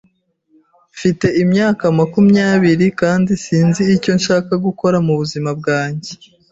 Mfite imyaka makumyabiri kandi sinzi icyo nshaka gukora mubuzima bwanjye.